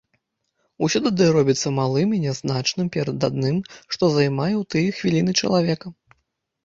Усё тады робіцца малым і нязначным перад адным, што займае ў тыя хвіліны чалавека.